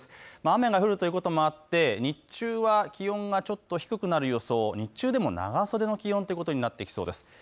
雨が降るということもあって日中は気温がちょっと低くなる予想、日中も長袖の気温となってきそうです。